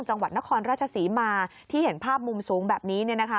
จังหวัดนครราชศรีมาที่เห็นภาพมุมสูงแบบนี้